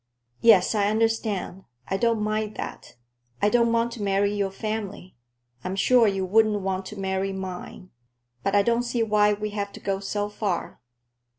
"Yes; I understand. I don't mind that. I don't want to marry your family. I'm sure you wouldn't want to marry mine. But I don't see why we have to go so far."